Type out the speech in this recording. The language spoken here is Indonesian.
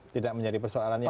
tidak menjadi persoalan yang